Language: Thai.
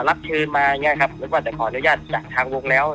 รับเชิญมาอย่างเงี้ครับนึกว่าจะขออนุญาตจากทางวงแล้ว